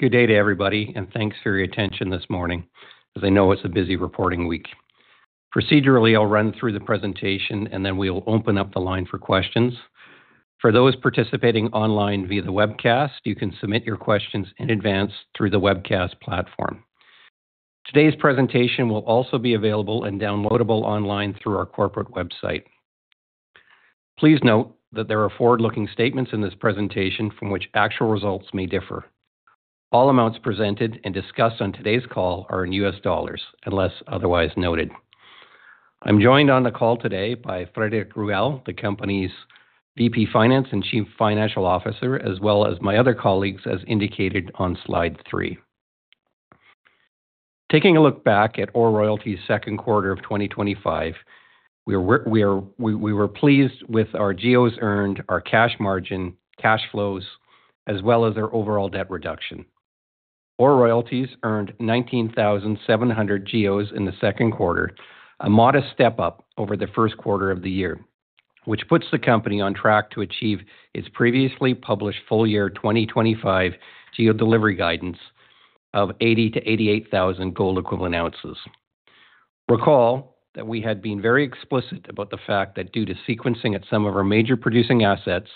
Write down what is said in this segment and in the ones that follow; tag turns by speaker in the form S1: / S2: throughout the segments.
S1: Good day to everybody, and thanks for your attention this morning, as I know it's a busy reporting week. Procedurally, I'll run through the presentation, and then we'll open up the line for questions. For those participating online via the webcast, you can submit your questions in advance through the webcast platform. Today's presentation will also be available and downloadable online through our corporate website. Please note that there are forward-looking statements in this presentation from which actual results may differ. All amounts presented and discussed on today's call are in U.S. dollars, unless otherwise noted. I'm joined on the call today by Frédéric Ruel, the company's VP Finance and Chief Financial Officer, as well as my other colleagues, as indicated on slide three. Taking a look back at OR Royalties' second quarter of 2025, we were pleased with our GEOs earned, our cash margin, cash flows, as well as our overall debt reduction. OR Royalties earned 19,700 GEOs in the second quarter, a modest step up over the first quarter of the year, which puts the company on track to achieve its previously published full-year 2025 GEO delivery guidance of 80,000-88,000 gold equivalent ounces. Recall that we had been very explicit about the fact that due to sequencing at some of our major producing assets,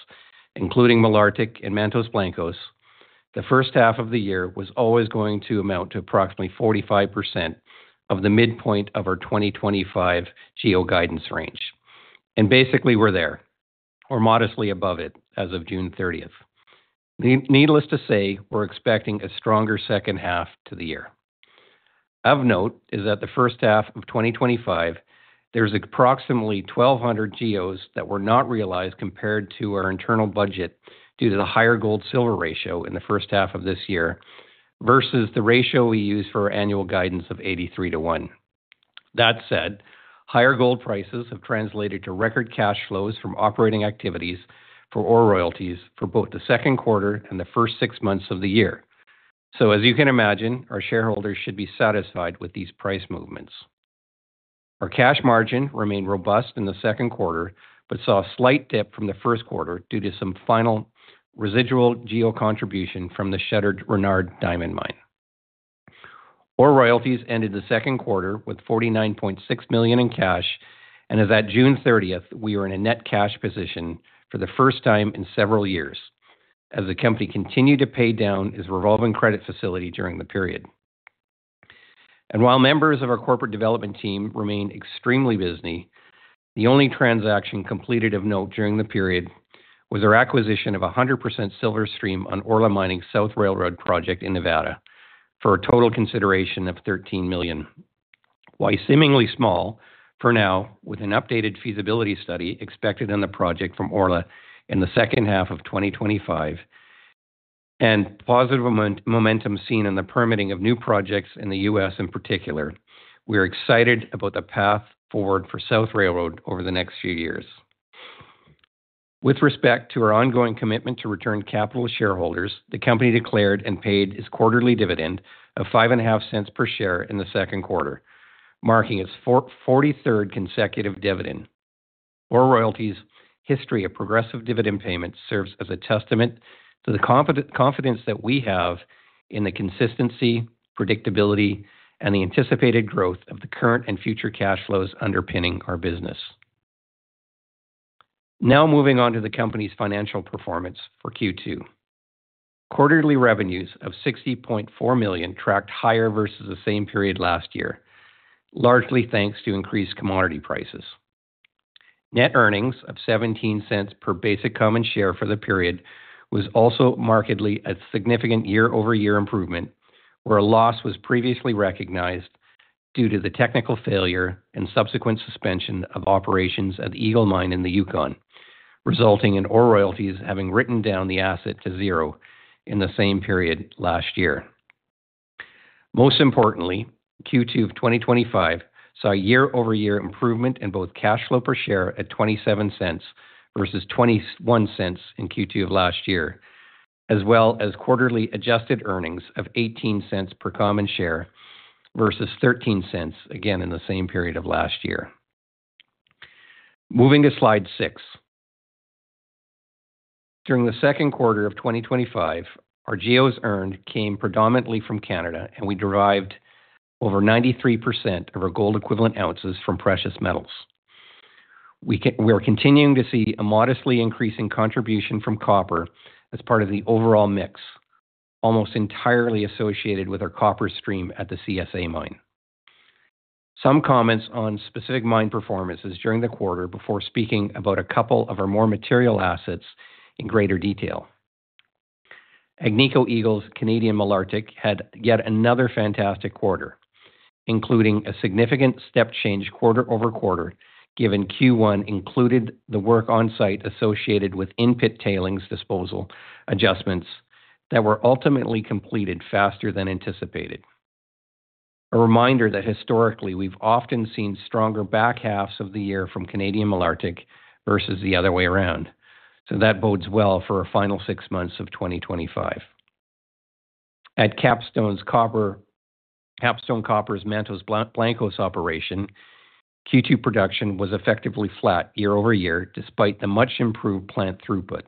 S1: including Malartic and Mantos Blancos, the first half of the year was always going to amount to approximately 45% of the midpoint of our 2025 GEO guidance range. Basically, we're there, or modestly above it, as of June 30th. Needless to say, we're expecting a stronger second half to the year. Of note is that in the first half of 2025, there's approximately 1,200 GEOs that were not realized compared to our internal budget due to the higher gold-silver ratio in the first half of this year versus the ratio we use for our annual guidance of 83/1. That said, higher gold prices have translated to record cash flows from operating activities for OR Royalties for both the second quarter and the first six months of the year. As you can imagine, our shareholders should be satisfied with these price movements. Our cash margin remained robust in the second quarter, but saw a slight dip from the first quarter due to some final residual GEO contribution from the shuttered Renard diamond mine. OR Royalties ended the second quarter with $49.6 million in cash, and as at June 30th, we were in a net cash position for the first time in several years, as the company continued to pay down its revolving credit facility during the period. While members of our Corporate Development team remain extremely busy, the only transaction completed of note during the period was our acquisition of 100% silver stream on Orla Mining's South Railroad project in Nevada for a total consideration of $13 million. While seemingly small for now, with an updated feasibility study expected on the project from Orla in the second half of 2025 and positive momentum seen in the permitting of new projects in the U.S. in particular, we are excited about the path forward for South Railroad over the next few years. With respect to our ongoing commitment to return capital to shareholders, the company declared and paid its quarterly dividend of $5.50 per share in the second quarter, marking its 43rd consecutive dividend. OR Royalties' history of progressive dividend payments serves as a testament to the confidence that we have in the consistency, predictability, and the anticipated growth of the current and future cash flows underpinning our business. Now moving on to the company's financial performance for Q2. Quarterly revenues of $60.4 million tracked higher versus the same period last year, largely thanks to increased commodity prices. Net earnings of $0.17 per basic common share for the period was also markedly a significant year-over-year improvement, where a loss was previously recognized due to the technical failure and subsequent suspension of operations at the Eagle Mine in the Yukon, resulting in OR Royalties having written down the asset to zero in the same period last year. Most importantly, Q2 of 2025 saw year-over-year improvement in both cash flow per share at $0.27 versus $0.21 in Q2 of last year, as well as quarterly adjusted earnings of $0.18 per common share versus $0.13, again in the same period of last year. Moving to slide six. During the second quarter of 2025, our GEOs (gold equivalent ounces) earned came predominantly from Canada, and we derived over 93% of our gold equivalent ounces from precious metals. We are continuing to see a modestly increasing contribution from copper as part of the overall mix, almost entirely associated with our copper stream at the CSA mine. Some comments on specific mine performances during the quarter before speaking about a couple of our more material assets in greater detail. Agnico Eagle's Canadian Malartic had yet another fantastic quarter, including a significant step change quarter-over-quarter, given Q1 included the work on site associated with in-pit tailings disposal adjustments that were ultimately completed faster than anticipated. A reminder that historically we've often seen stronger back halves of the year from Canadian Malartic versus the other way around, so that bodes well for our final six months of 2025. At Capstone Copper's Mantos Blancos operation, Q2 production was effectively flat year-over-year despite the much improved plant throughput,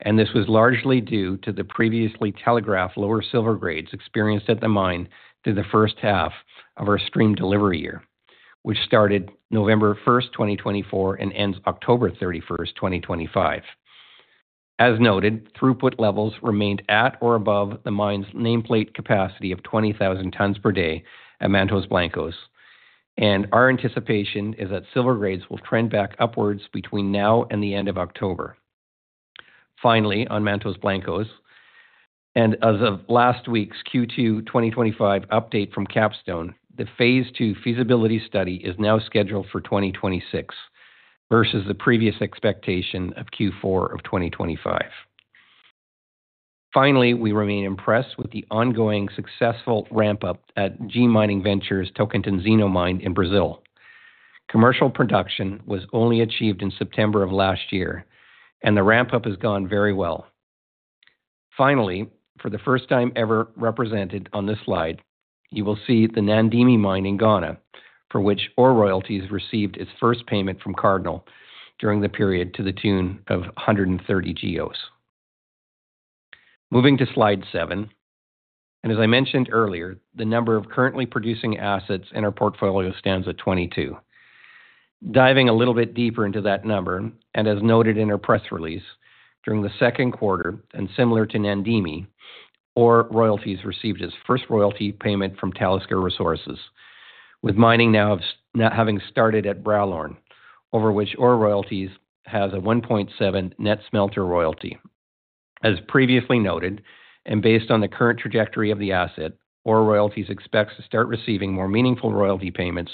S1: and this was largely due to the previously telegraphed lower silver grades experienced at the mine through the first half of our stream delivery year, which started November 1st, 2024, and ends October 31st, 2025. As noted, throughput levels remained at or above the mine's nameplate capacity of 20,000 tons per day at Mantos Blancos, and our anticipation is that silver grades will trend back upwards between now and the end of October. Finally, on Mantos Blancos, and as of last week's Q2 2025 update from Capstone, the phase two feasibility study is now scheduled for 2026 versus the previous expectation of Q4 of 2025. We remain impressed with the ongoing successful ramp-up at G Mining Ventures Tocantinzinho mine in Brazil. Commercial production was only achieved in September of last year, and the ramp-up has gone very well. For the first time ever represented on this slide, you will see the Namdini mine in Ghana, for which OR Royalties received its first payment from Cardinal during the period to the tune of 130 GEOs. Moving to slide seven, and as I mentioned earlier, the number of currently producing assets in our portfolio stands at 22. Diving a little bit deeper into that number, and as noted in our press release, during the second quarter, and similar to Namdini, OR Royalties received its first royalty payment from Talisker Resources, with mining now having started at Bralorne, over which OR Royalties has a 1.7% net smelter royalty. As previously noted, and based on the current trajectory of the asset, OR Royalties expects to start receiving more meaningful royalty payments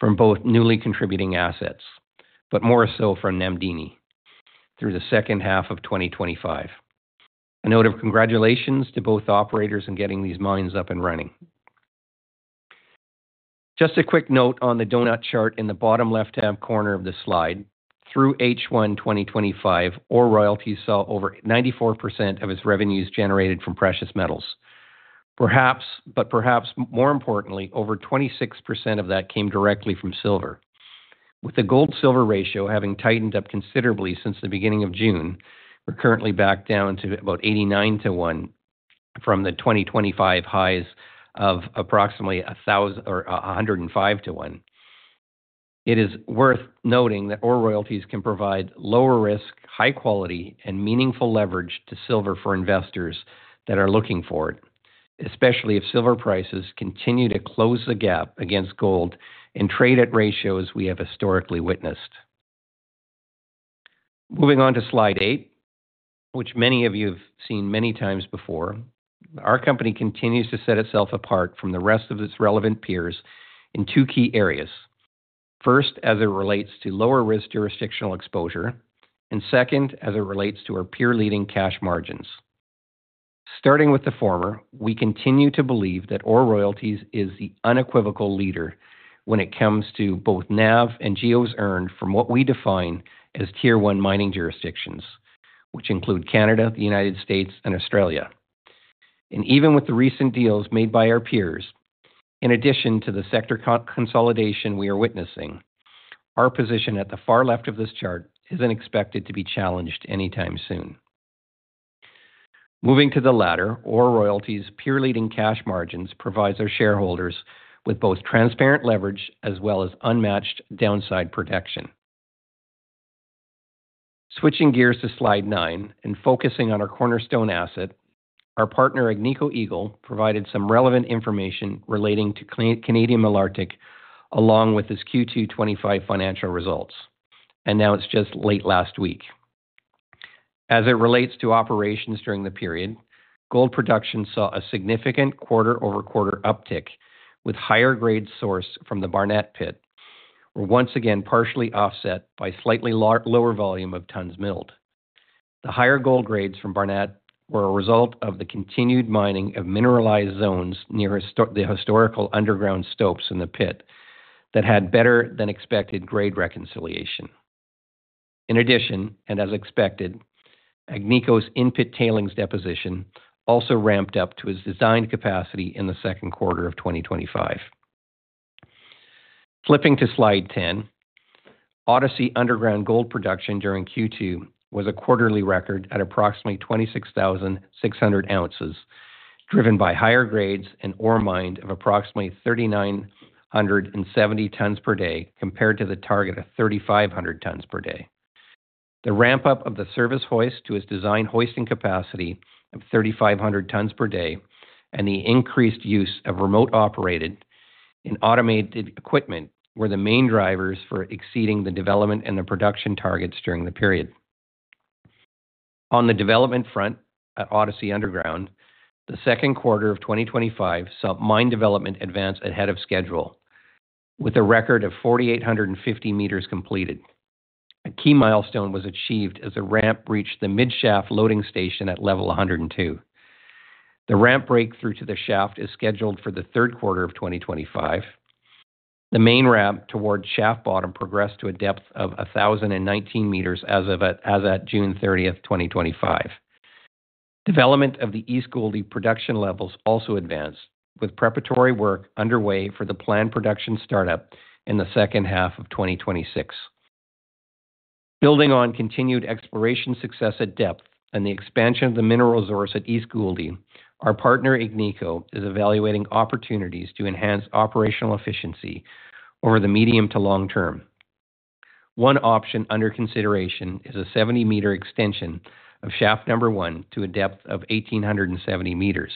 S1: from both newly contributing assets, but more so from Namdini through the second half of 2025. A note of congratulations to both operators in getting these mines up and running. Just a quick note on the donut chart in the bottom left-hand corner of this slide. Through H1 2025, OR Royalties saw over 94% of its revenues generated from precious metals. Perhaps, but perhaps more importantly, over 26% of that came directly from silver. With the gold/silver ratio having tightened up considerably since the beginning of June, we're currently back down to about 89/1 from the 2025 highs of approximately 105/1. It is worth noting that OR Royalties can provide lower risk, high quality, and meaningful leverage to silver for investors that are looking for it, especially if silver prices continue to close the gap against gold and trade at ratios we have historically witnessed. Moving on to slide eight, which many of you have seen many times before, our company continues to set itself apart from the rest of its relevant peers in two key areas. First, as it relates to lower risk jurisdictional exposure, and second, as it relates to our peer-leading cash margins. Starting with the former, we continue to believe that OR Royalties is the unequivocal leader when it comes to both NAV and GEOs earned from what we define as Tier 1 mining jurisdictions, which include Canada, United States, and Australia. Even with the recent deals made by our peers, in addition to the sector consolidation we are witnessing, our position at the far left of this chart isn't expected to be challenged anytime soon. Moving to the latter, OR Royalties' peer-leading cash margins provide our shareholders with both transparent leverage as well as unmatched downside protection. Switching gears to slide nine and focusing on our cornerstone asset, our partner Agnico Eagle provided some relevant information relating to Canadian Malartic along with its Q2 2025 financial results. That was just late last week. As it relates to operations during the period, gold production saw a significant quarter-over-quarter uptick, with higher grade sourced from the Barnat pit. We're once again partially offset by slightly lower volume of tons milled. The higher gold grades from Barnat were a result of the continued mining of mineralized zones near the historical underground stopes in the pit that had better than expected grade reconciliation. In addition, and as expected, Agnico's in-pit tailings deposition also ramped up to its designed capacity in the second quarter of 2025. Flipping to slide 10, Odyssey underground gold production during Q2 was a quarterly record at approximately 26,600 oz, driven by higher grades and ore mined of approximately 3,970 tons per day compared to the target of 3,500 tons per day. The ramp-up of the service hoist to its designed hoisting capacity of 3,500 tons per day and the increased use of remote-operated and automated equipment were the main drivers for exceeding the development and the production targets during the period. On the development front at Odyssey underground, the second quarter of 2025 saw mine development advance ahead of schedule, with a record of 4,850 m completed. A key milestone was achieved as the ramp reached the mid-shaft loading station at level 102. The ramp breakthrough to the shaft is scheduled for the third quarter of 2025. The main ramp towards shaft bottom progressed to a depth of 1,019 m as of June 30th, 2025. Development of the East Gouldie production levels also advanced, with preparatory work underway for the planned production startup in the second half of 2026. Building on continued exploration success at depth and the expansion of the mineral resource at East Gouldie, our partner Agnico is evaluating opportunities to enhance operational efficiency over the medium to long term. One option under consideration is a 70 m extension of shaft number one to a depth of 1,870 m.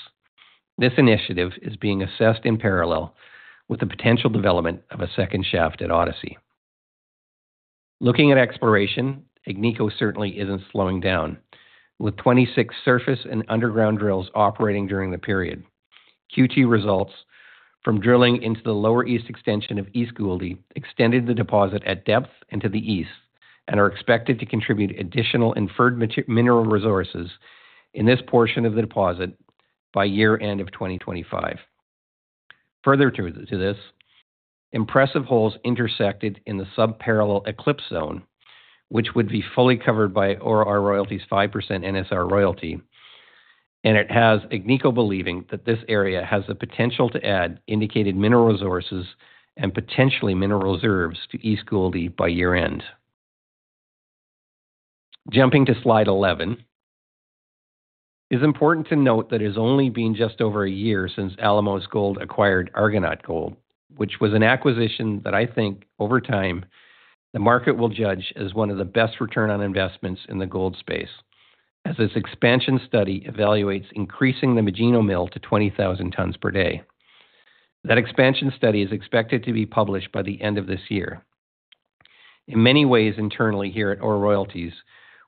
S1: This initiative is being assessed in parallel with the potential development of a second shaft at Odyssey. Looking at exploration, Agnico certainly isn't slowing down, with 26 surface and underground drills operating during the period. Q2 results from drilling into the lower east extension of East Gouldie extended the deposit at depth and to the east and are expected to contribute additional inferred mineral resources in this portion of the deposit by year-end 2025. Further to this, impressive holes intersected in the sub-parallel Eclipse zone, which would be fully covered by OR Royalties' 5% NSR royalty, and it has Agnico believing that this area has the potential to add indicated mineral resources and potentially mineral reserves to East Gouldie by year-end. Jumping to slide 11, it is important to note that it has only been just over a year since Alamos Gold acquired Argonaut Gold, which was an acquisition that I think over time the market will judge as one of the best return on investments in the gold space, as this expansion study evaluates increasing the Magino mill to 20,000 tons per day. That expansion study is expected to be published by the end of this year. In many ways internally here at OR Royalties,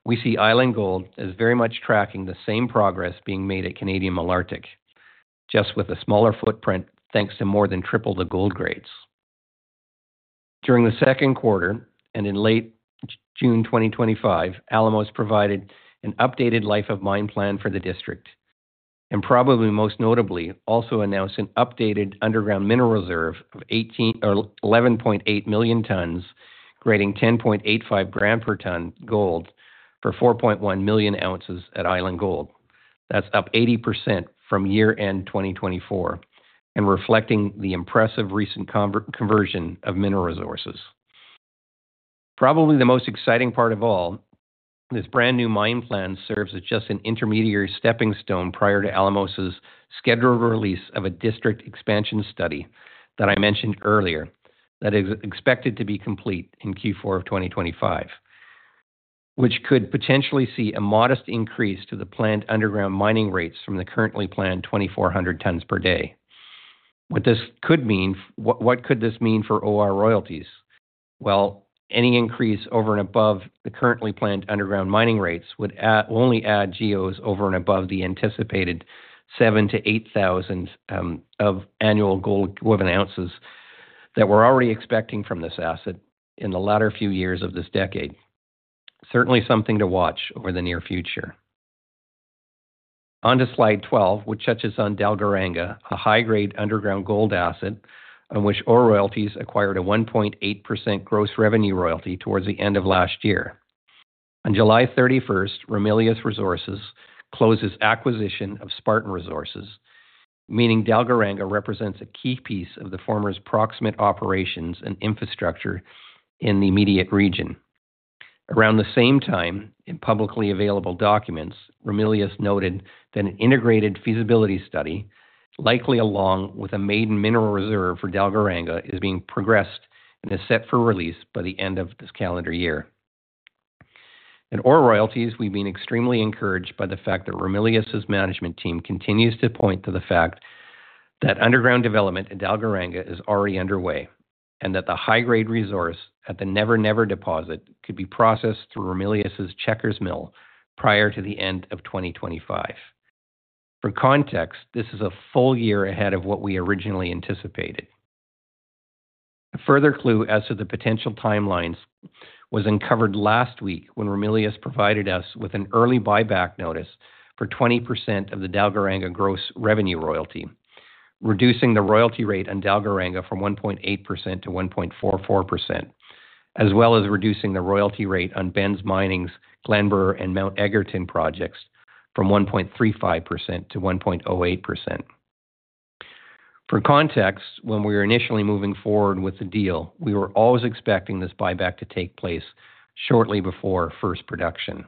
S1: we see Island Gold as very much tracking the same progress being made at Canadian Malartic, just with a smaller footprint thanks to more than triple the gold grades. During the second quarter and in late June 2025, Alamos provided an updated life of mine plan for the district, and probably most notably also announced an updated underground mineral reserve of 11.8 million tons, grading 10.85 g per ton gold for 4.1 million oz at Island Gold. That's up 80% from year-end 2024 and reflecting the impressive recent conversion of mineral resources. Probably the most exciting part of all, this brand new mine plan serves as just an intermediary stepping stone prior to Alamos' scheduled release of a district expansion study that I mentioned earlier that is expected to be complete in Q4 of 2025, which could potentially see a modest increase to the planned underground mining rates from the currently planned 2,400 tons per day. What could this mean for OR Royalties? Any increase over and above the currently planned underground mining rates would only add GEOs over and above the anticipated 7,000-8,000 of annual gold equivalent ounces that we're already expecting from this asset in the latter few years of this decade. Certainly something to watch over the near future. On to slide 12, which touches on Dalgaranga, a high-grade underground gold asset on which OR Royalties acquired a 1.8% gross revenue royalty towards the end of last year. On July 31st, Ramelius Resources closed its acquisition of Spartan Resources, meaning Dalgaranga represents a key piece of the former's proximate operations and infrastructure in the immediate region. Around the same time, in publicly available documents, Ramelius noted that an integrated feasibility study, likely along with a maiden mineral reserve for Dalgaranga, is being progressed and is set for release by the end of this calendar year. In OR Royalties, we've been extremely encouraged by the fact that Ramelius' management team continues to point to the fact that underground development at Dalgaranga is already underway and that the high-grade resource at the Never Never deposit could be processed through Ramelius' Checkers Mill prior to the end of 2025. For context, this is a full year ahead of what we originally anticipated. A further clue as to the potential timelines was uncovered last week when Ramelius provided us with an early buyback notice for 20% of the Dalgaranga gross revenue royalty, reducing the royalty rate on Dalgaranga from 1.8% to 1.44%, as well as reducing the royalty rate on Benz Mining's Glenburgh and Mt Egerton projects from 1.35% to 1.08%. For context, when we were initially moving forward with the deal, we were always expecting this buyback to take place shortly before first production.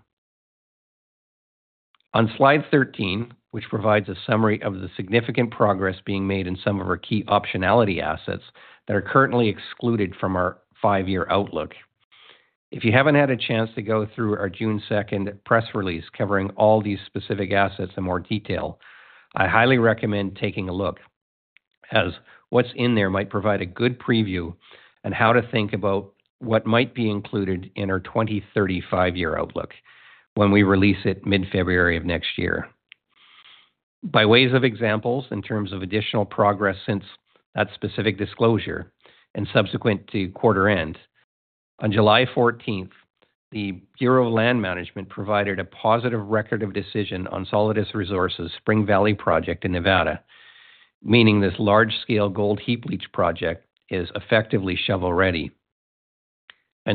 S1: On slide 13, which provides a summary of the significant progress being made in some of our key optionality assets that are currently excluded from our five-year outlook. If you haven't had a chance to go through our June 2nd press release covering all these specific assets in more detail, I highly recommend taking a look, as what's in there might provide a good preview on how to think about what might be included in our 2035-year outlook when we release it mid-February of next year. By way of examples, in terms of additional progress since that specific disclosure and subsequent to quarter end, on July 14th, the Bureau of Land Management provided a positive record of decision on Solidus Resources' Spring Valley project in Nevada, meaning this large-scale gold heap leach project is effectively shovel-ready.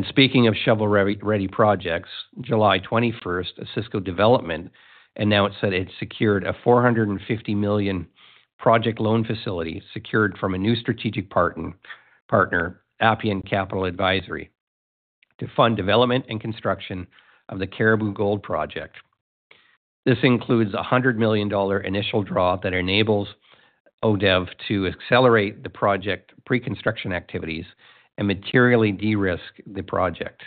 S1: Speaking of shovel-ready projects, on July 21st, Osisko Development announced that it secured a $450 million project loan facility secured from a new strategic partner, Appian Capital Advisory, to fund development and construction of the Caribou Gold project. This includes a $100 million initial draw that enables ODV to accelerate the project pre-construction activities and materially de-risk the project.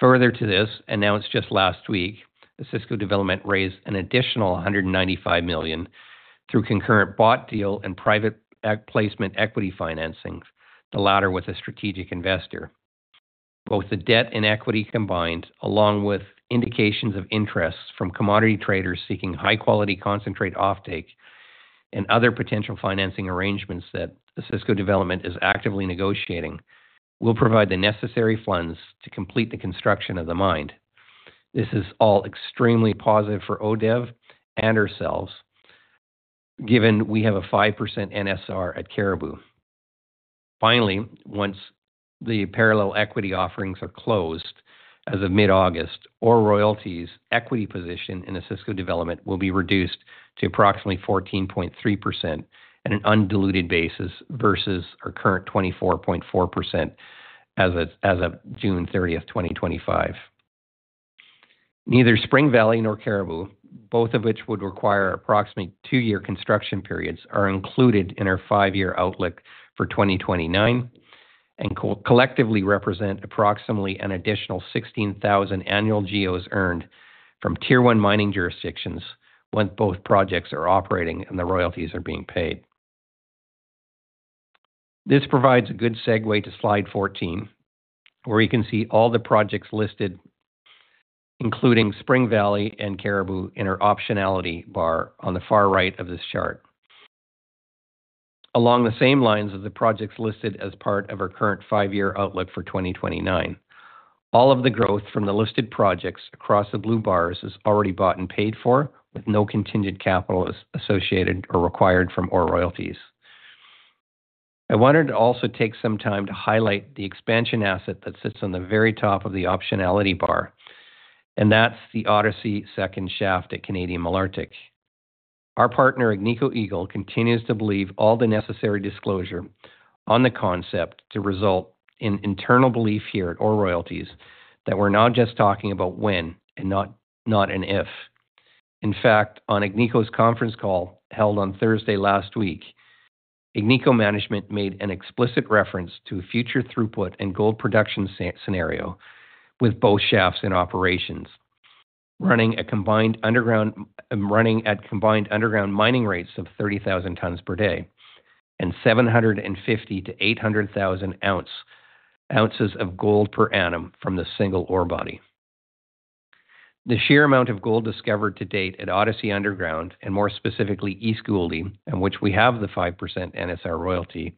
S1: Further to this, announced just last week, Osisko Development raised an additional $195 million through concurrent bought deal and private placement equity financing, the latter with a strategic investor. Both the debt and equity combined, along with indications of interest from commodity traders seeking high-quality concentrate offtake and other potential financing arrangements that Osisko Development is actively negotiating, will provide the necessary funds to complete the construction of the mine. This is all extremely positive for ODV and ourselves, given we have a 5% NSR at Caribou. Finally, once the parallel equity offerings are closed as of mid-August, OR Royalties' equity position in Osisko Development will be reduced to approximately 14.3% on an undiluted basis versus our current 24.4% as of June 30th, 2025. Neither Spring Valley nor Caribou, both of which would require approximately two-year construction periods, are included in our five-year outlook for 2029 and collectively represent approximately an additional 16,000 annual GEOs earned from Tier 1 mining jurisdictions once both projects are operating and the royalties are being paid. This provides a good segue to slide 14, where you can see all the projects listed, including Spring Valley and Caribou, in our optionality bar on the far right of this chart. Along the same lines of the projects listed as part of our current five-year outlook for 2029, all of the growth from the listed projects across the blue bars is already bought and paid for, with no contingent capital associated or required from OR Royalties. I wanted to also take some time to highlight the expansion asset that sits on the very top of the optionality bar, and that's the Odyssey second shaft at Canadian Malartic. Our partner Agnico Eagle continues to believe all the necessary disclosure on the concept to result in internal belief here at OR Royalties that we're now just talking about when and not if. In fact, on Agnico's conference call held on Thursday last week, Agnico management made an explicit reference to a future throughput and gold production scenario with both shafts in operations, running at combined underground mining rates of 30,000 tons per day and 750,000-800,000 oz of gold per annum from the single ore body. The sheer amount of gold discovered to date at Odyssey underground, and more specifically East Gouldie, in which we have the 5% NSR royalty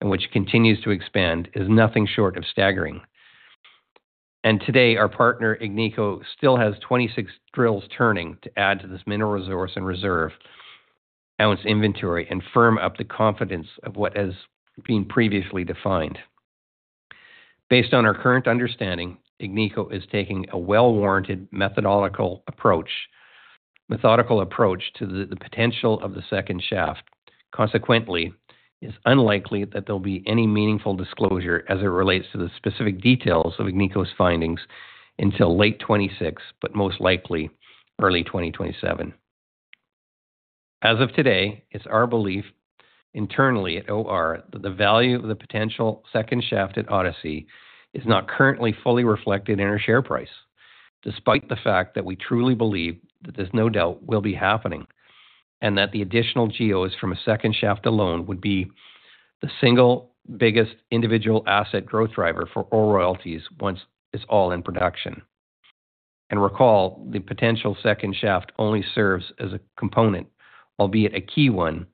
S1: and which continues to expand, is nothing short of staggering. Today, our partner Agnico still has 26 drills turning to add to this mineral resource and reserve ounce inventory and firm up the confidence of what has been previously defined. Based on our current understanding, Agnico is taking a well-warranted, methodical approach to the potential of the second shaft. Consequently, it is unlikely that there will be any meaningful disclosure as it relates to the specific details of Agnico's findings until late 2026, but most likely early 2027. As of today, it's our belief internally at OR that the value of the potential second shaft at Odyssey is not currently fully reflected in our share price, despite the fact that we truly believe that there's no doubt it will be happening and that the additional GEOs from a second shaft alone would be the single biggest individual asset growth driver for OR Royalties once it's all in production. Recall, the potential second shaft only serves as a component, albeit a key one,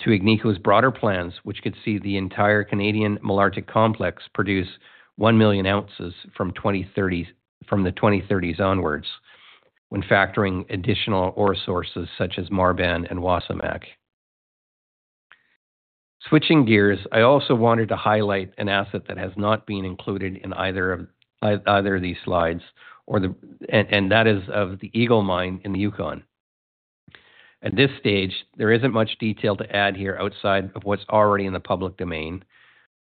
S1: to Agnico's broader plans, which could see the entire Canadian Malartic complex produce 1 million oz from the 2030s onwards, when factoring additional ore sources such as Marban and Wasamac. Switching gears, I also wanted to highlight an asset that has not been included in either of these slides, and that is the Eagle Mine in Yukon. At this stage, there isn't much detail to add here outside of what's already in the public domain.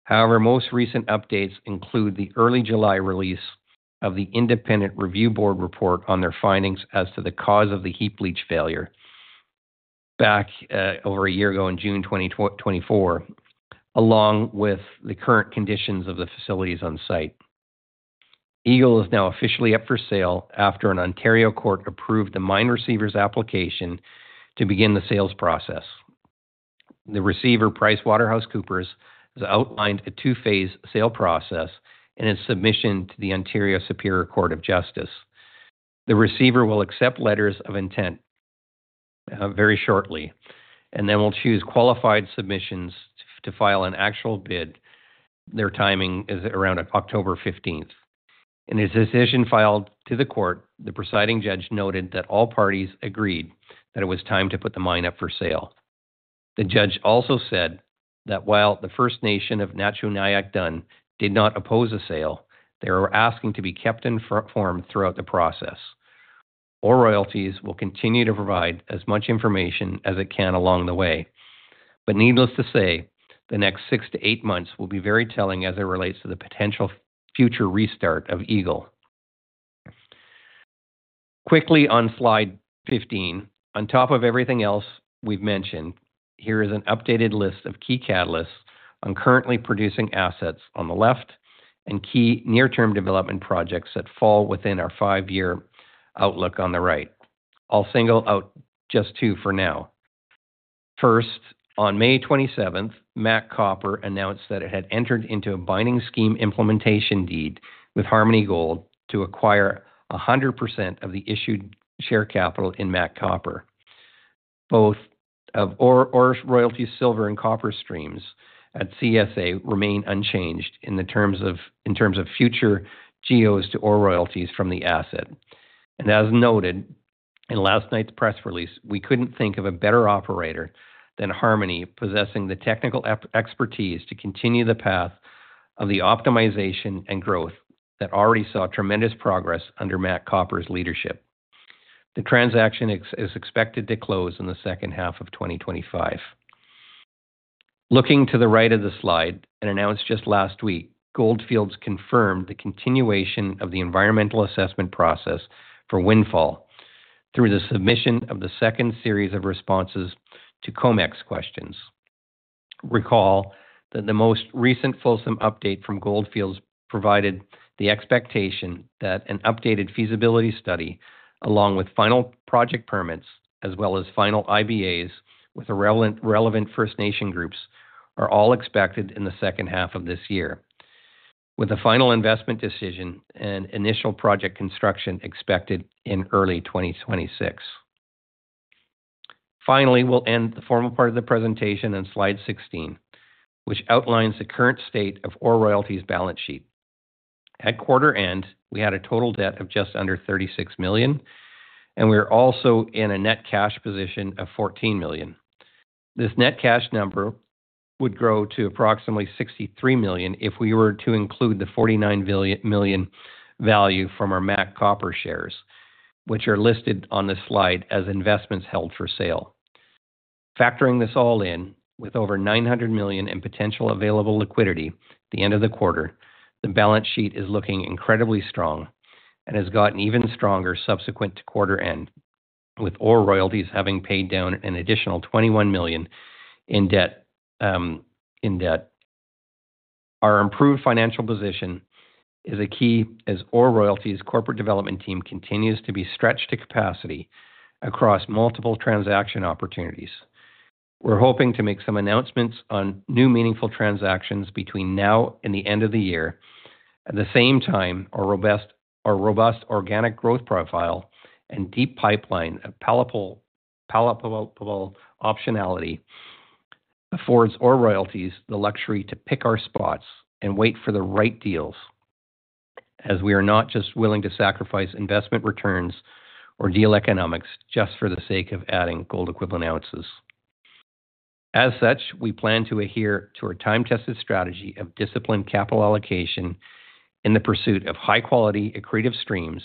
S1: However, most recent updates include the early July release of the independent review board report on their findings as to the cause of the heap leach failure back over a year ago in June 2024, along with the current conditions of the facilities on site. Eagle is now officially up for sale after an Ontario court approved the mine receiver's application to begin the sales process. The receiver, PricewaterhouseCoopers, has outlined a two-phase sale process in its submission to the Ontario Superior Court of Justice. The receiver will accept letters of intent very shortly and then will choose qualified submissions to file an actual bid. Their timing is around October 15th. In his decision filed to the court, the presiding judge noted that all parties agreed that it was time to put the mine up for sale. The judge also said that while the First Nation of Na-Cho Nyak Dun did not oppose a sale, they were asking to be kept informed throughout the process. OR Royalties will continue to provide as much information as it can along the way. Needless to say, the next six to eight months will be very telling as it relates to the potential future restart of Eagle. Quickly on slide 15, on top of everything else we've mentioned, here is an updated list of key catalysts on currently producing assets on the left and key near-term development projects that fall within our five-year outlook on the right. I'll single out just two for now. First, on May 27th, MAC Copper announced that it had entered into a binding scheme implementation deed with Harmony Gold to acquire 100% of the issued share capital in MAC Copper. Both of OR Royalties' silver and copper streams at CSA remain unchanged in terms of future GEOs to our royalties from the asset. As noted in last night's press release, we couldn't think of a better operator than Harmony possessing the technical expertise to continue the path of the optimization and growth that already saw tremendous progress under MAC Copper's leadership. The transaction is expected to close in the second half of 2025. Looking to the right of the slide, and announced just last week, Gold Fields confirmed the continuation of the environmental assessment process for Windfall through the submission of the second series of responses to COMEX questions. Recall that the most recent fulsome update from Gold Fields provided the expectation that an updated feasibility study, along with final project permits as well as final IBAs with relevant First Nation groups, are all expected in the second half of this year, with a final investment decision and initial project construction expected in early 2026. Finally, we'll end the formal part of the presentation on slide 16, which outlines the current state of our OR Royalties' balance sheet. At quarter end, we had a total debt of just under $36 million, and we're also in a net cash position of $14 million. This net cash number would grow to approximately $63 million if we were to include the $49 million value from our MAC Copper shares, which are listed on this slide as investments held for sale. Factoring this all in, with over $900 million in potential available liquidity at the end of the quarter, the balance sheet is looking incredibly strong and has gotten even stronger subsequent to quarter end, with OR Royalties having paid down an additional $21 million in debt. Our improved financial position is a key as OR Royalties' corporate development team continues to be stretched to capacity across multiple transaction opportunities. We're hoping to make some announcements on new meaningful transactions between now and the end of the year. At the same time, our robust organic growth profile and deep pipeline of palatable optionality affords OR royalties the luxury to pick our spots and wait for the right deals, as we are not willing to sacrifice investment returns or deal economics just for the sake of adding gold equivalent ounces. As such, we plan to adhere to our time-tested strategy of disciplined capital allocation in the pursuit of high-quality, accretive streams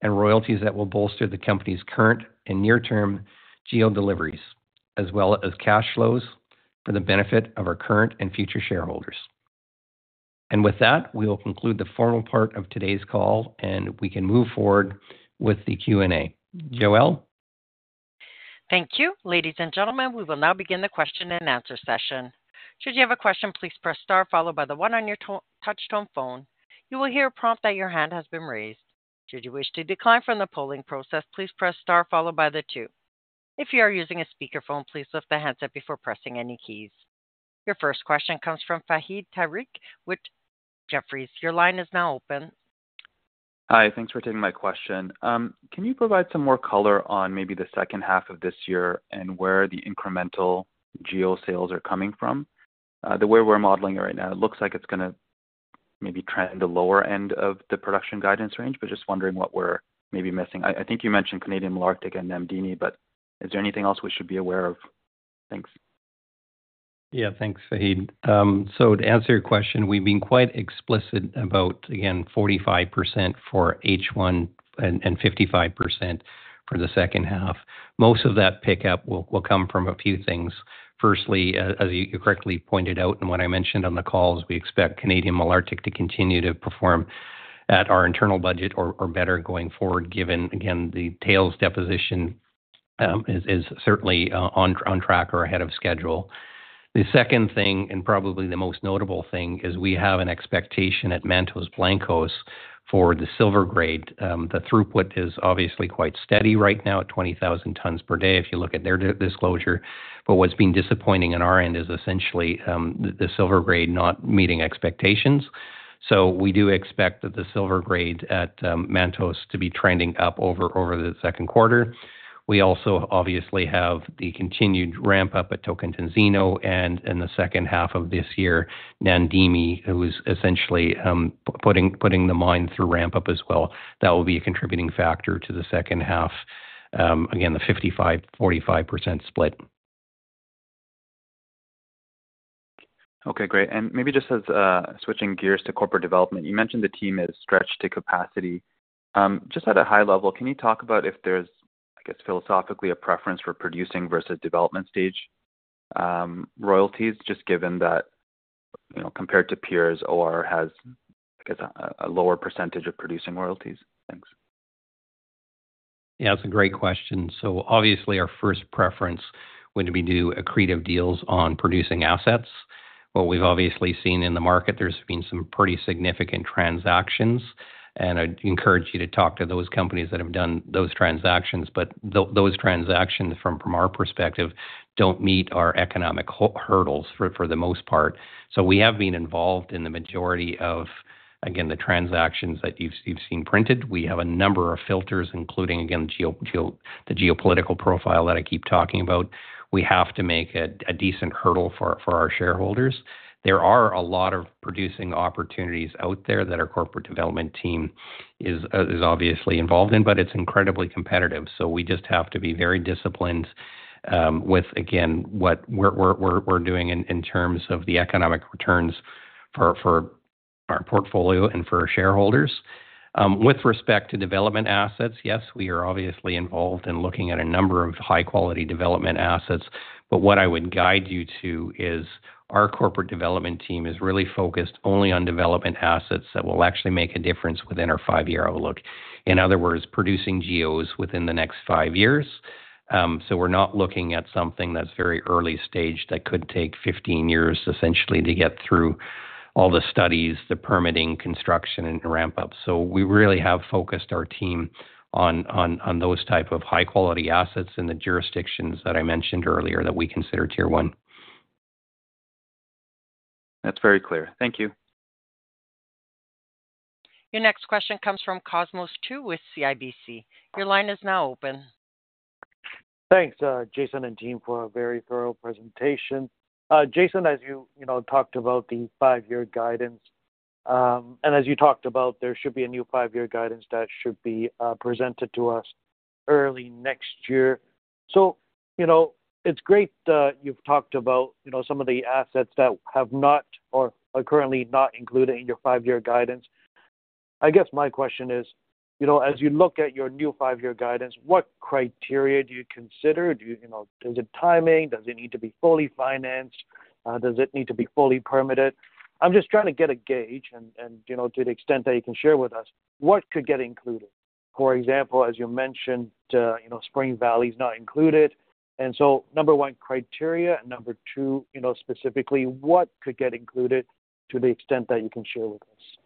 S1: and royalties that will bolster the company's current and near-term GEO deliveries, as well as cash flows for the benefit of our current and future shareholders. With that, we will conclude the formal part of today's call, and we can move forward with the Q&A. Joelle?
S2: Thank you, ladies and gentlemen. We will now begin the question and answer session. Should you have a question, please press star, followed by the one on your touch-tone phone. You will hear a prompt that your hand has been raised. Should you wish to decline from the polling process, please press star, followed by the two. If you are using a speaker phone, please lift the handset before pressing any keys. Your first question comes from Fahad Tariq with Jefferies. Your line is now open.
S3: Hi, thanks for taking my question. Can you provide some more color on maybe the second half of this year and where the incremental GEO sales are coming from? The way we're modeling it right now, it looks like it's going to maybe trend the lower end of the production guidance range, but just wondering what we're maybe missing. I think you mentioned Canadian Malartic and Namdini, but is there anything else we should be aware of? Thanks.
S1: Yeah, thanks, Fahad. To answer your question, we've been quite explicit about, again, 45% for H1 and 55% for the second half. Most of that pickup will come from a few things. Firstly, as you correctly pointed out in what I mentioned on the calls, we expect Canadian Malartic to continue to perform at our internal budget or better going forward, given, again, the tails deposition is certainly on track or ahead of schedule. The second thing, and probably the most notable thing, is we have an expectation at Mantos Blancos for the silver grade. The throughput is obviously quite steady right now at 20,000 tons per day if you look at their disclosure, but what's been disappointing on our end is essentially the silver grade not meeting expectations. We do expect that the silver grade at Mantos to be trending up over the second quarter. We also obviously have the continued ramp-up at Tocantinzinho and in the second half of this year, Namdini, who's essentially putting the mine through ramp-up as well. That will be a contributing factor to the second half. Again, the 55/45 split.
S3: Okay, great. Maybe just as switching gears to corporate development, you mentioned the team is stretched to capacity. Just at a high level, can you talk about if there's, I guess, philosophically a preference for producing versus development stage royalties, just given that, you know, compared to peers, OR has, I guess, a lower percentage of producing royalties? Thanks.
S1: Yeah, that's a great question. Obviously, our first preference would be to do accretive deals on producing assets. What we've seen in the market, there's been some pretty significant transactions, and I'd encourage you to talk to those companies that have done those transactions, but those transactions, from our perspective, don't meet our economic hurdles for the most part. We have been involved in the majority of the transactions that you've seen printed. We have a number of filters, including the geopolitical profile that I keep talking about. We have to make a decent hurdle for our shareholders. There are a lot of producing opportunities out there that our Corporate Development team is involved in, but it's incredibly competitive. We just have to be very disciplined with again, what we're doing in terms of the economic returns for our portfolio and for our shareholders. With respect to development assets, yes, we are obviously involved in looking at a number of high-quality development assets, but what I would guide you to is our Corporate Development team is really focused only on development assets that will actually make a difference within our five-year outlook. In other words, producing GEOs within the next five years. We're not looking at something that's very early stage that could take 15 years essentially to get through all the studies, the permitting, construction, and ramp-up. We really have focused our team on those types of high-quality assets in the jurisdictions that I mentioned earlier that we consider Tier 1.
S3: That's very clear. Thank you.
S2: Your next question comes from Cosmos Chiu with CIBC. Your line is now open.
S4: Thanks, Jason and team, for a very thorough presentation. Jason, as you talked about the five-year guidance, and as you talked about, there should be a new five-year guidance that should be presented to us early next year. It's great that you've talked about some of the assets that have not or are currently not included in your five-year guidance. I guess my question is, as you look at your new five-year guidance, what criteria do you consider? Is it timing? Does it need to be fully financed? Does it need to be fully permitted? I'm just trying to get a gauge, and to the extent that you can share with us, what could get included? For example, as you mentioned, Spring Valley is not included. Number one, criteria, and number two, specifically, what could get included to the extent that you can share with us?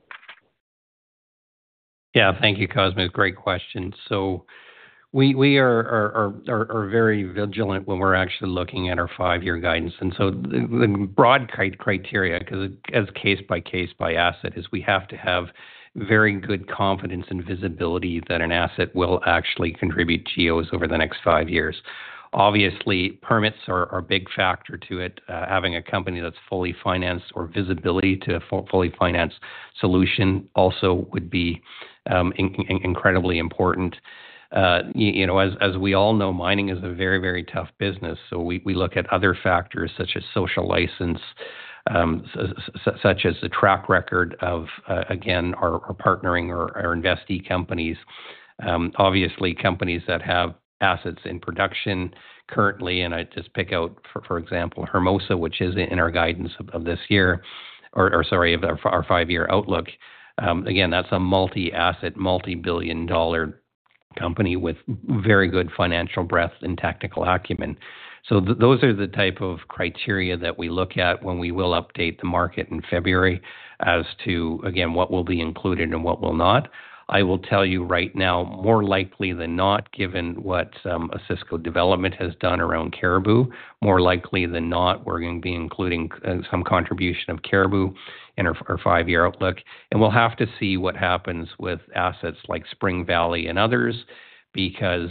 S1: Yeah, thank you, Cosmo. Great question. We are very vigilant when we're actually looking at our five-year guidance. The broad criteria, because it is case by case by asset, is we have to have very good confidence and visibility that an asset will actually contribute GEOs over the next five years. Obviously, permits are a big factor to it. Having a company that's fully financed or visibility to a fully financed solution also would be incredibly important. As we all know, mining is a very, very tough business. We look at other factors such as social license, such as the track record of, again, our partnering or our investee companies. Obviously, companies that have assets in production currently, and I just pick out, for example, Hermosa, which is in our guidance of this year, or sorry, of our five-year outlook. Again, that's a multi-asset, multi-billion dollar company with very good financial breadth and technical acumen. Those are the type of criteria that we look at when we will update the market in February as to, again, what will be included and what will not. I will tell you right now, more likely than not, given what Osisko Development has done around Caribou, more likely than not, we're going to be including some contribution of Caribou in our five-year outlook. We'll have to see what happens with assets like Spring Valley and others, because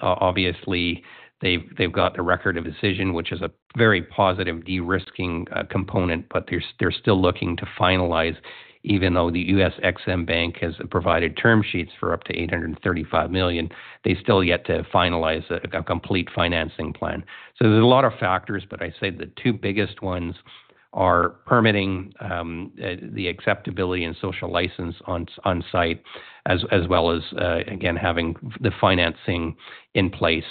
S1: obviously, they've got the record of decision, which is a very positive de-risking component, but they're still looking to finalize. Even though the U.S. EXIM Bank has provided term sheets for up to $835 million, they still have yet to finalize a complete financing plan. There are a lot of factors, but I say the two biggest ones are permitting, the acceptability and social license on site, as well as, again, having the financing in place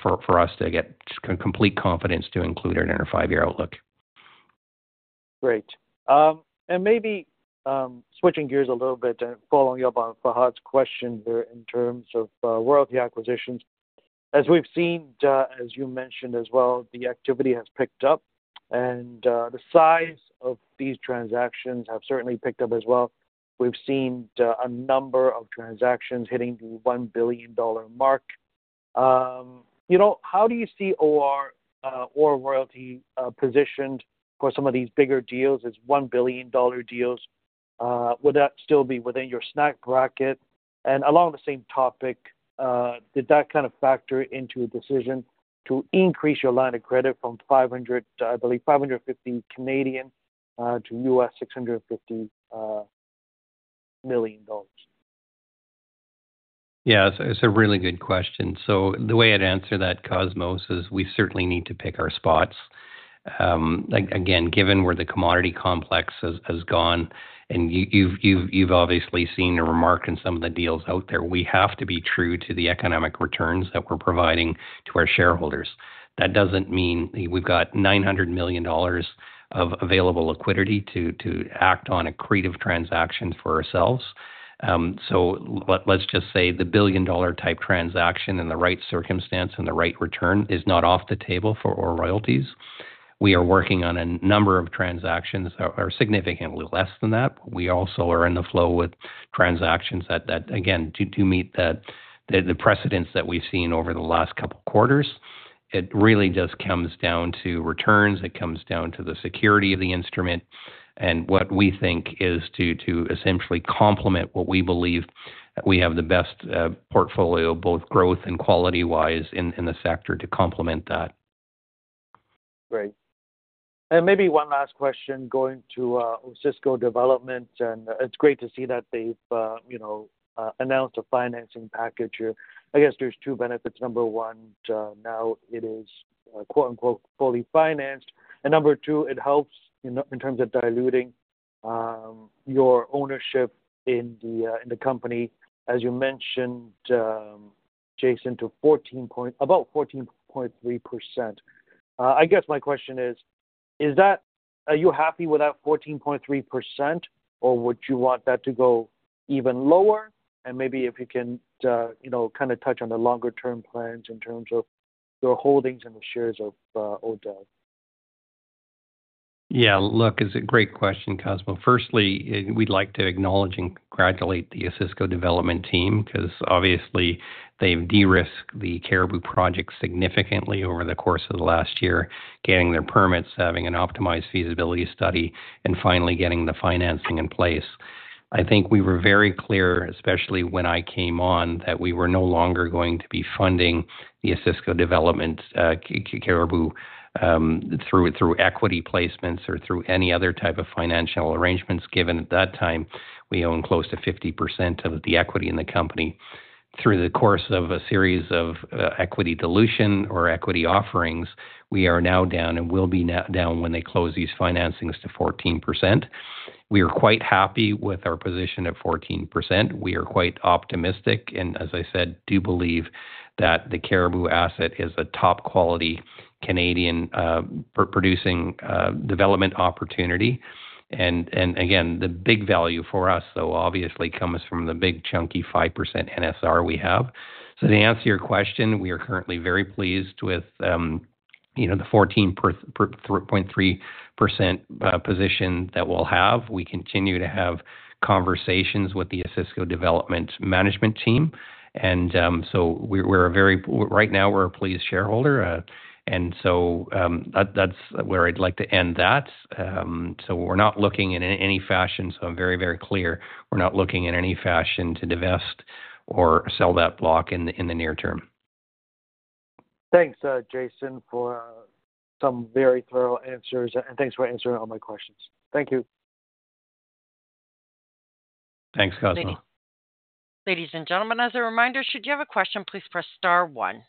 S1: for us to get complete confidence to include it in our five-year outlook.
S4: Great. Maybe switching gears a little bit to follow up on Fahad's question here in terms of royalty acquisitions. As you've mentioned as well, the activity has picked up, and the size of these transactions has certainly picked up as well. We've seen a number of transactions hitting the $1 billion mark. How do you see OR Royalties positioned for some of these bigger deals, these $1 billion deals? Would that still be within your SNAP bracket? Along the same topic, did that kind of factor into a decision to increase your line of credit from 550 million to $650 million?
S1: Yeah, it's a really good question. The way I'd answer that, Cosmos, is we certainly need to pick our spots. Given where the commodity complex has gone, and you've obviously seen a remark in some of the deals out there, we have to be true to the economic returns that we're providing to our shareholders. That doesn't mean we've got $900 million of available liquidity to act on accretive transactions for ourselves. Let's just say the billion-dollar type transaction in the right circumstance and the right return is not off the table for OR Royalties. We are working on a number of transactions that are significantly less than that. We also are in the flow with transactions that, again, do meet the precedents that we've seen over the last couple of quarters. It really just comes down to returns. It comes down to the security of the instrument and what we think is to essentially complement what we believe we have the best portfolio, both growth and quality-wise in the sector to complement that.
S4: Great. Maybe one last question going to Osisko Development, and it's great to see that they've announced a financing package here. I guess there's two benefits. Number one, now it is "fully financed." Number two, it helps in terms of diluting your ownership in the company, as you mentioned, Jason, to about 14.3%. I guess my question is, are you happy with that 14.3%, or would you want that to go even lower? Maybe if you can kind of touch on the longer-term plans in terms of your holdings and the shares of ODV.
S1: Yeah, look, it's a great question, Cosmo. Firstly, we'd like to acknowledge and congratulate the Osisko Development team because obviously they've de-risked the Caribou project significantly over the course of the last year, getting their permits, having an optimized feasibility study, and finally getting the financing in place. I think we were very clear, especially when I came on, that we were no longer going to be funding the Osisko Development Caribou through equity placements or through any other type of financial arrangements, given at that time we owned close to 50% of the equity in the company. Through the course of a series of equity dilution or equity offerings, we are now down and will be down when they close these financings to 14%. We are quite happy with our position at 14%. We are quite optimistic, and as I said, do believe that the Caribou asset is a top-quality Canadian producing development opportunity. The big value for us, though, obviously comes from the big chunky 5% NSR we have. To answer your question, we are currently very pleased with the 14.3% position that we'll have. We continue to have conversations with the Osisko Development management team. Right now we're a pleased shareholder. That's where I'd like to end that. We're not looking in any fashion, so I'm very, very clear, we're not looking in any fashion to divest or sell that block in the near term.
S4: Thanks, Jason, for some very thorough answers, and thanks for answering all my questions. Thank you.
S1: Thanks, Cosmo.
S2: Ladies and gentlemen, as a reminder, should you have a question, please press star one.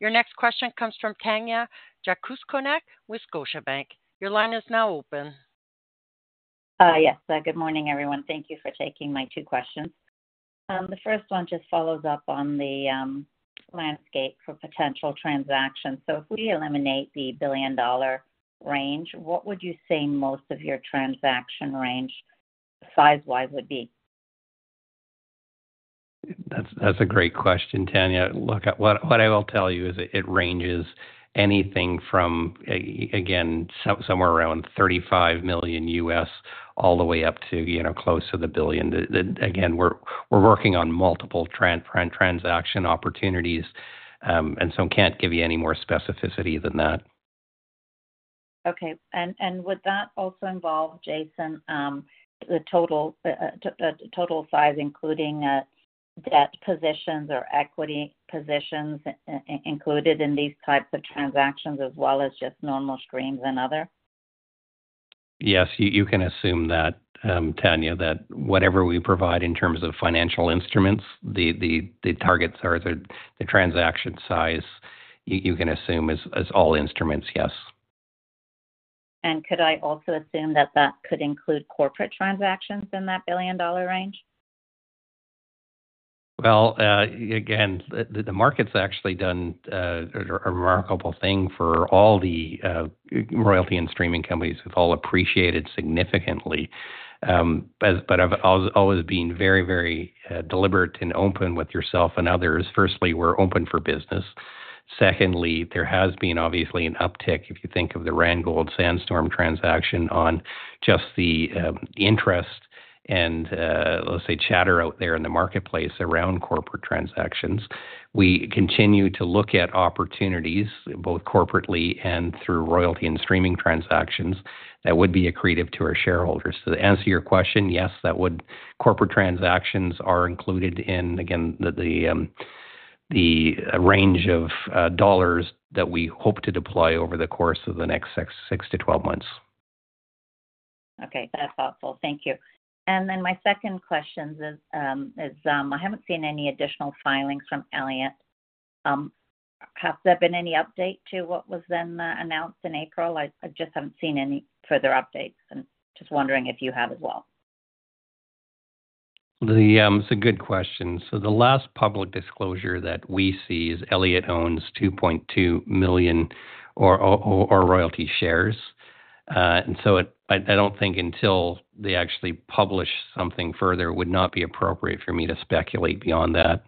S2: Your next question comes from Tanya Jakusconek with Scotiabank. Your line is now open.
S5: Yes, good morning everyone. Thank you for taking my two questions. The first one just follows up on the landscape for potential transactions. If we eliminate the billion-dollar range, what would you say most of your transaction range size-wise would be?
S1: That's a great question, Tanya. What I will tell you is it ranges anything from, again, somewhere around $35 million all the way up to, you know, close to the billion. We're working on multiple transaction opportunities, and so I can't give you any more specificity than that.
S5: Okay. Would that also involve, Jason, the total size, including debt positions or equity positions included in these types of transactions, as well as just normal screens and other?
S1: Yes, you can assume that, Tanya, that whatever we provide in terms of financial instruments, the targets or the transaction size, you can assume is all instruments, yes.
S5: Could I also assume that that could include corporate transactions in that billion-dollar range?
S1: The market's actually done a remarkable thing for all the royalty and streaming companies, which have all appreciated significantly. I've always been very, very deliberate and open with yourself and others. Firstly, we're open for business. Secondly, there has been obviously an uptick if you think of the Randgold-Sandstorm transaction on just the interest and, let's say, chatter out there in the marketplace around corporate transactions. We continue to look at opportunities, both corporately and through royalty and streaming transactions that would be accretive to our shareholders. To answer your question, yes, corporate transactions are included in the range of dollars that we hope to deploy over the course of the next six to 12 months.
S5: Okay, that's helpful. Thank you. My second question is, I haven't seen any additional filings from Elliot. Has there been any update to what was then announced in April? I just haven't seen any further updates. I'm just wondering if you have as well.
S1: It's a good question. The last public disclosure that we see is Elliot owns 2.2 million OR Royalties shares. I don't think until they actually publish something further, it would be appropriate for me to speculate beyond that.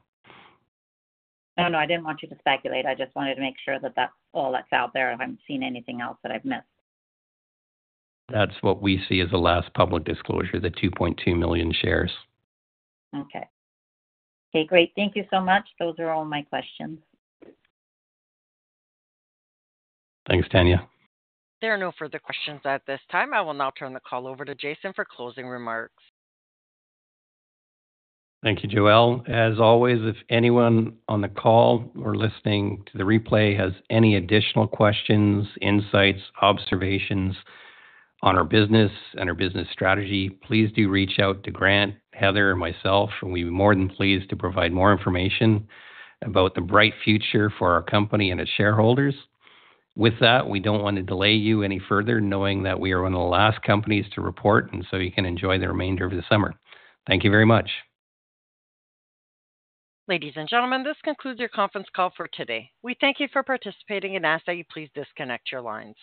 S5: No, I didn't want you to speculate. I just wanted to make sure that that's all that's out there. I haven't seen anything else that I've missed.
S1: That's what we see as the last public disclosure, the 2.2 million shares.
S5: Okay, great. Thank you so much. Those are all my questions.
S1: Thanks, Tanya.
S2: There are no further questions at this time. I will now turn the call over to Jason for closing remarks.
S1: Thank you, Joelle. As always, if anyone on the call or listening to the replay has any additional questions, insights, observations on our business and our business strategy, please do reach out to Grant, Heather, and myself, and we'd be more than pleased to provide more information about the bright future for our company and its shareholders. With that, we don't want to delay you any further, knowing that we are one of the last companies to report, and you can enjoy the remainder of the summer. Thank you very much.
S2: Ladies and gentlemen, this concludes your conference call for today. We thank you for participating and ask that you please disconnect your lines.